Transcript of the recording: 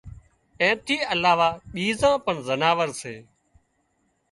اين ٿِي علاوه ٻيزان پڻ زناورسي